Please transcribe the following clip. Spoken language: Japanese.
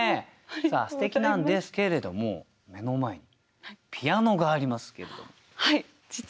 すてきなんですけれども目の前にピアノがありますけれども。